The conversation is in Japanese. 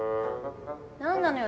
何なのよ